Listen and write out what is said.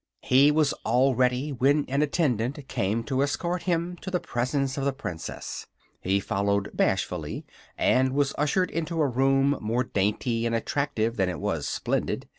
He was all ready when an attendant came to escort him to the presence of the Princess; he followed bashfully and was ushered into a room more dainty and attractive than it was splendid.